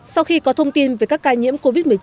sau khi có thông tin về các ca nhiễm covid một mươi chín